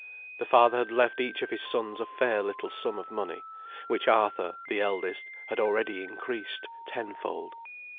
The father had left each of his sons a fair little sum of money, which Arthur, the eldest, had already increased ten fold.